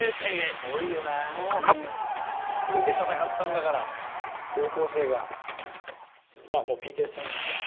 フルで戦ったんだから高校生が。